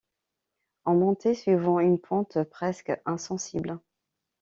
On montait suivant une pente presque insensible.